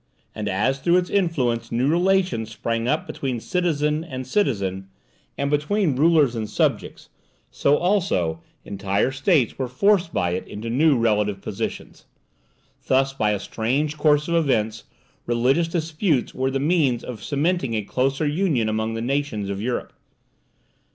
And as through its influence new relations sprang up between citizen and citizen, and between rulers and subjects, so also entire states were forced by it into new relative positions. Thus, by a strange course of events, religious disputes were the means of cementing a closer union among the nations of Europe.